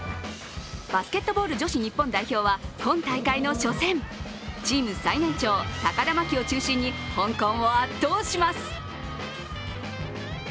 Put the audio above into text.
バスケットボール女子日本代表は今大会の初戦チーム最年長、高田真希を中心に香港を圧倒します。